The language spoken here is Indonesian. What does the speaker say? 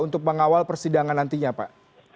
untuk mengawal persidangan nantinya pak